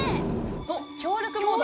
おっ協力モード。